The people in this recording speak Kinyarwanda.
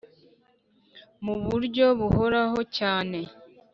mu buryo buhoraho cyane